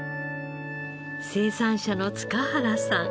生産者の塚原さん